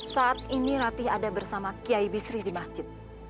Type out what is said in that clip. saat ini ratih ada bersama kiai bisri di masjid